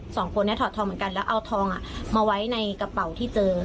สองคนนี้ถอดทองเหมือนกันแล้วเอาทองมาไว้ในกระเป๋าที่เจอ